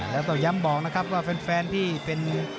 แล้วก็ย้ำบอกนะครับว่าแฟนที่เป็น